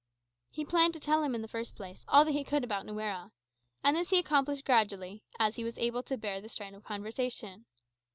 He planned to tell him, in the first instance, all that he could about Nuera. And this he accomplished gradually, as he was able to bear the strain of conversation.